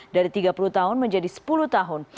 dari tiga puluh tahun menjadi sepuluh tahun